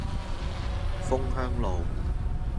楓香路